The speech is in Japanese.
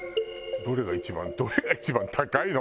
どれが一番「どれが一番高いの？」